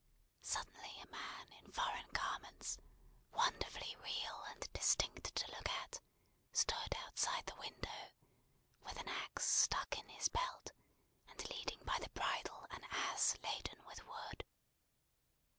Suddenly a man, in foreign garments: wonderfully real and distinct to look at: stood outside the window, with an axe stuck in his belt, and leading by the bridle an ass laden with wood.